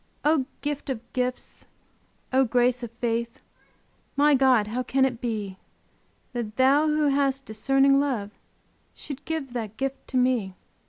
O gifts of gifts! O grace of faith My God! how can it be That Thou who hast discerning love, Shouldst give that gift to me?